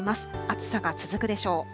暑さが続くでしょう。